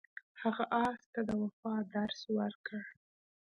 هغه اس ته د وفا درس ورکړ.